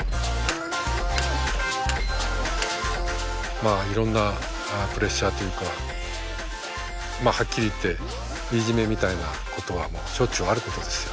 まあいろんなプレッシャーというかまあはっきり言っていじめみたいなことはしょっちゅうあることですよ。